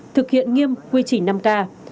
thực hiện nghiêm quy trình năm k